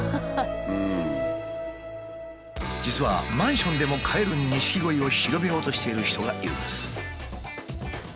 実はマンションでも飼える錦鯉を広めようとしている人がいるんです。